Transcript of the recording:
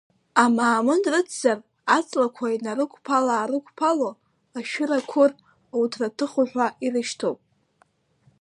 Амаамын рыцзар, аҵлақәа инарықәԥыл-аарықәԥыло, ашәыр-ақәыр, ауҭраҭых уҳәа ирышьҭоуп.